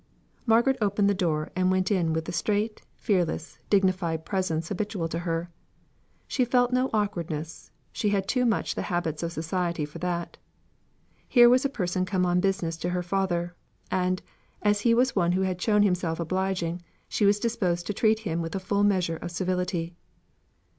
Margaret opened the door and went in with the straight, fearless, dignified presence habitual to her. She felt no awkwardness; she had too much the habits of society for that. Here was a person come on business to her father; and, as he was one who had shown himself obliging, she was disposed to treat him with a full measure of civility.